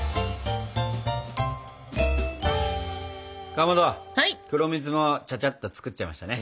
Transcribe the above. かまど黒蜜もちゃちゃっと作っちゃいましたね。